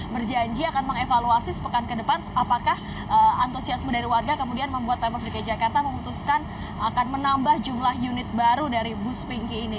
berjanji akan mengevaluasi sepekan ke depan apakah antusiasme dari warga kemudian membuat pemprov dki jakarta memutuskan akan menambah jumlah unit baru dari bus pinky ini